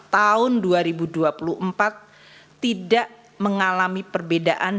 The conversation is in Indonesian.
tahun dua ribu dua puluh empat tidak mengalami perbedaan